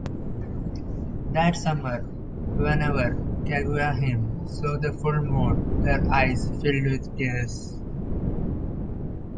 That summer, whenever Kaguya-hime saw the full moon, her eyes filled with tears.